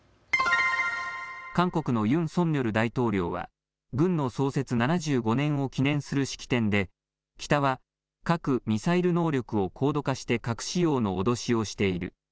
韓国のユン・ソンニョル大統領は軍の創設７５年を記念する式典で北は核・ミサイル能力を高度化して核使用の脅しをしている。